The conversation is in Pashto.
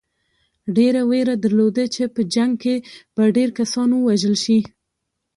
ده وېره درلوده چې په جنګ کې به ډېر کسان ووژل شي.